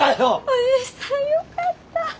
おじさんよかった。